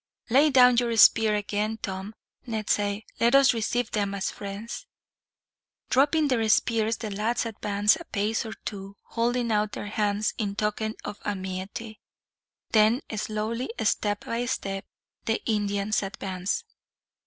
"Lay down your spear again, Tom," Ned said. "Let us receive them as friends." Dropping their spears, the lads advanced a pace or two, holding out their hands in token of amity. Then slowly, step by step, the Indians advanced.